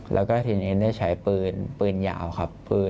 แล้วก็ทีนี้ได้ใช้ปืนปืนยาวครับ